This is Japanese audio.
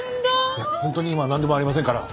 いや本当に今はなんでもありませんから。